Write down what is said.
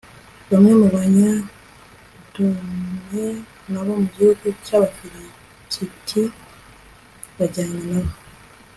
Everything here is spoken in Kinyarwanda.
bamwe mu banyadumeya n'abo mu gihugu cy'abafilisiti bajyana na bo